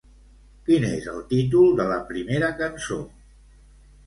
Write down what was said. Quin és el títol de la primera cançó?